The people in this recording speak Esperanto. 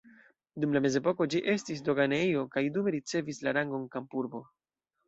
Dum la mezepoko ĝi estis doganejo kaj dume ricevis la rangon kampurbo.